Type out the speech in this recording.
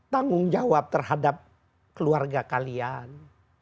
tanggung jawab terhadap keluarga kalian